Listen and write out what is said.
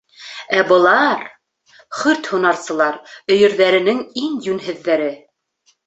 Ә былар... хөрт һунарсылар, өйөрҙәренең иң йүнһеҙҙәре.